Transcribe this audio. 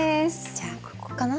じゃあここかな。